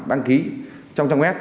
đăng ký trong trang web